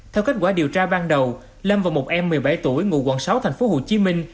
theo kết quả điều tra ban đầu lâm và một em một mươi bảy tuổi ngụ quận sáu thành phố hồ chí minh